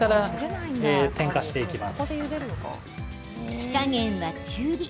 火加減は中火。